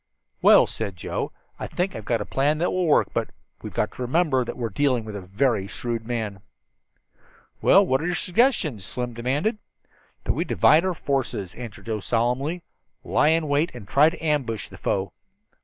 "Well," said Joe, "I think I've got a plan that will work; but we've got to remember that we are dealing with a very shrewd man." "Well, what's your suggestion?" Slim demanded. "That we divide our forces," answered Joe solemnly, "lie in wait and try to ambush the foe."